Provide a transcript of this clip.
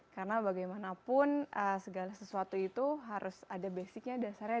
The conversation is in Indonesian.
karena bagaimanapun segala sesuatu itu harus ada basicnya dasarnya